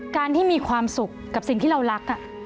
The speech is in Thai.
ที่มีความสุขกับสิ่งที่เรารัก